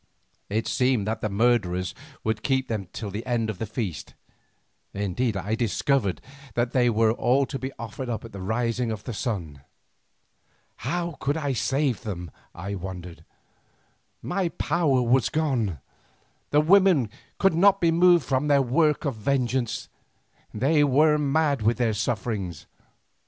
It seemed that the murderers would keep them till the end of the feast, indeed I discovered that they were to be offered up at the rising of the sun. How could I save them, I wondered. My power was gone. The women could not be moved from their work of vengeance; they were mad with their sufferings.